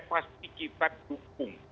pasti kita dukung